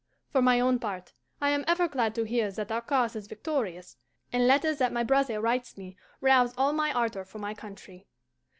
For my own part, I am ever glad to hear that our cause is victorious, and letters that my brother writes me rouse all my ardour for my country.